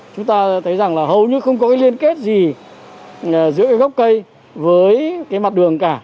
chúng ta thấy rằng là hầu như không có cái liên kết gì giữa cái gốc cây với cái mặt đường cả